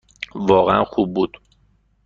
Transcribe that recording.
واقعاً خوب بود.